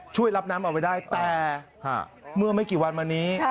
ช่วยรับน้ำเอาไว้ได้แต่เมื่อไม่กี่วันมานี้